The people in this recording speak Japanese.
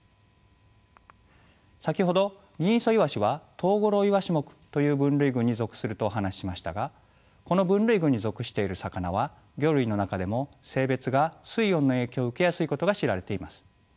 先ほどギンイソイワシはトウゴロウイワシ目という分類群に属するとお話ししましたがこの分類群に属している魚は魚類の中でも性別が水温の影響を受けやすいことが知られています。